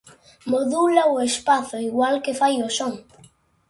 Modula o espazo, igual que fai o son.